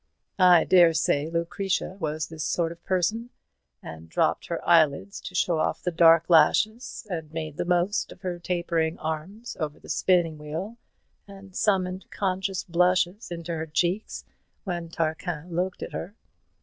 "I dare say Lucretia was this sort of person; and dropped her eyelids to show off the dark lashes, and made the most of her tapering arms over the spinning wheel, and summoned conscious blushes into her cheeks when Tarquin looked at her.